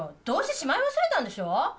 どうせしまい忘れたんでしょう？